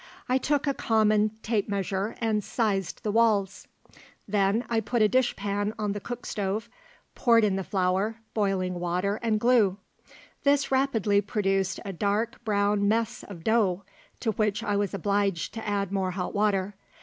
I took a common tape measure and sized the walls. Then I put a dishpan on the cook stove, poured in the flour, boiling water and glue. This rapidly produced a dark brown mess of dough, to which I was obliged to add more hot water.